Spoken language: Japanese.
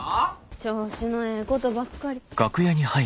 調子のええことばっかり。